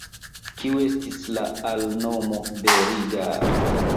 Kiu estis la alnomo de Rigar?